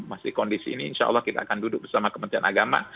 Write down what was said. masih kondisi ini insya allah kita akan duduk bersama kementerian agama